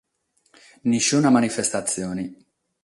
Peruna manifestatzione.